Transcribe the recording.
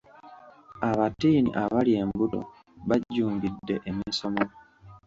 Abatiini abali embuto bajjumbidde emisomo.